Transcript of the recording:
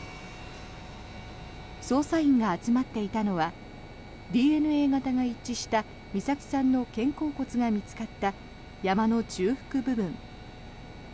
捜査員が集まっていたのはＤＮＡ型が一致した美咲さんの肩甲骨が見つかった山の中腹部分。